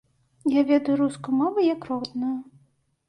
Я ведаю рускую мову як родную.